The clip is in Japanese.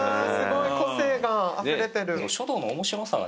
個性があふれてる。